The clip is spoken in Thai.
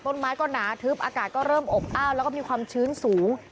ต้นไม้ก็หนาทึบอากาศก็เริ่มอบอ้าวแล้วก็มีความชื้นสูง